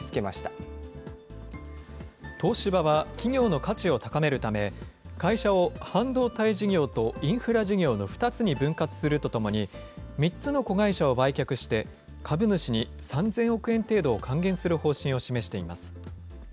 東芝は企業の価値を高めるため、会社を半導体事業とインフラ事業の２つに分割するとともに、３つの子会社を売却して、株主に３０００億円程度を還元する方針を示しています。